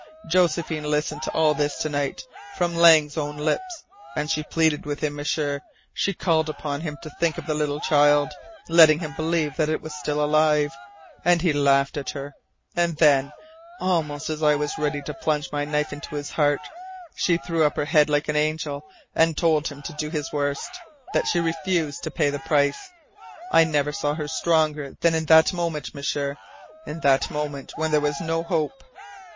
"Josephine listened to all this to night, from Lang's own lips. And she pleaded with him, M'sieur. She called upon him to think of the little child, letting him believe that it was still alive; and he laughed at her. And then, almost as I was ready to plunge my knife into his heart, she threw up her head like an angel and told him to do his worst that she refused to pay the price. I never saw her stronger than in that moment, M'sieur in that moment when there was no hope!